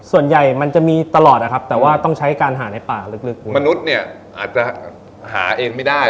ส่วนใหญ่มันจะมีตลอดนะครับแต่ว่าต้องใช้การหาในป่าลึกมนุษย์เนี่ยอาจจะหาเองไม่ได้